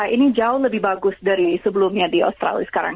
ini jauh lebih bagus dari sebelumnya di australia sekarang